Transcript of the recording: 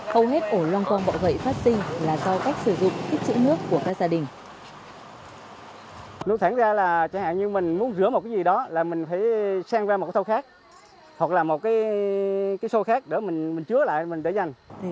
hầu hết ổ loang quang bọ gậy phát sinh là do cách sử dụng tích chữ nước của các gia đình